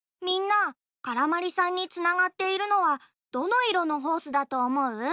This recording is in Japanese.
みんなからまりさんにつながっているのはどのいろのホースだとおもう？